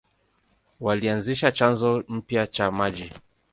Walianzisha chanzo mpya cha maji.